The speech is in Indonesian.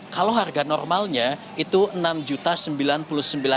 kalau harga normalnya itu rp enam sembilan puluh sembilan